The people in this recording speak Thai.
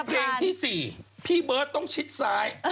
เพลงที่๔เพียรติต้องชิดสาย